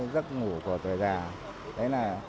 rất ngủ của tuổi già